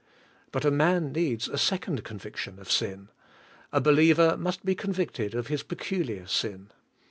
But a man needs a second conviction of sin; a believer must be convicted of his peculiar sin.